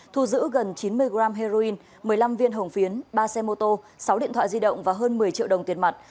thu giữ gần chín mươi g heroin một mươi năm viên hồng phiến ba xe mô tô sáu điện thoại di động và hơn một mươi triệu đồng tiền mặt